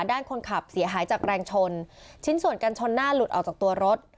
ด้านคนขับเสียหายจากแรงชนชิ้นส่วนกันชนหน้าหลุดออกจากตัวรถ